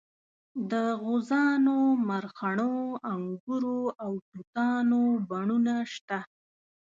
د غوزانو مرخڼو انګورو او توتانو بڼونه شته.